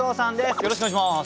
よろしくお願いします。